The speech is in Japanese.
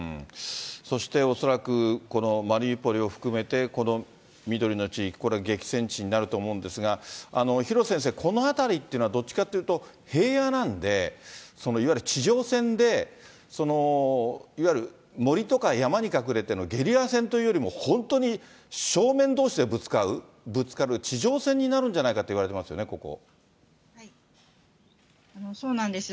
そして、恐らくこのマリウポリを含めてこの緑の地域、これ激戦地になると思うんですが、廣瀬先生、この辺りっていうのはどっちかっていうと平野なんで、いわゆる地上戦でいわゆる森とか山に隠れてのゲリラ戦というよりも、本当に正面どうしでぶつかる地上戦になるんじゃないかといわれてそうなんです。